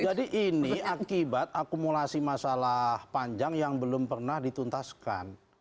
jadi ini akibat akumulasi masalah panjang yang belum pernah dituntaskan